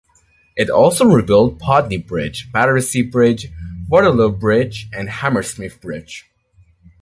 It also rebuilt Putney Bridge, Battersea Bridge, Waterloo Bridge and Hammersmith Bridge.